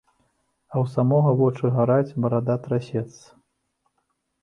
А ў самога вочы гараць, барада трасецца.